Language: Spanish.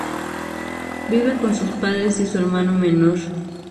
Vive con sus padres y su hermano menor.